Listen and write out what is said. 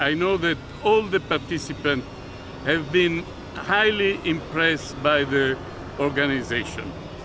dan saya tahu semua penonton telah sangat terkejut oleh organisasi